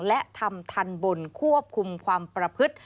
และทำทันบนควบคุมความประพฤติ